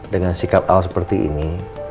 dengan sikap al seperti ini